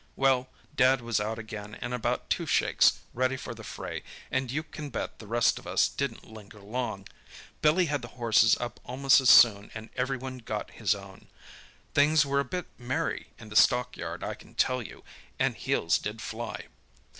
Well, Dad was out again in about two shakes, ready for the fray, and you can bet the rest of us didn't linger long. Billy had the horses up almost as soon, and every one got his own. Things were a bit merry in the stockyard, I can tell you, and heels did fly.